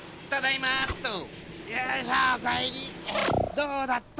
どうだった？